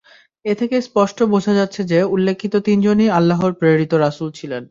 এ থেকে স্পষ্ট বোঝা যাচ্ছে যে, উল্লেখিত তিনজনই আল্লাহর প্রেরিত রাসূল ছিলেন।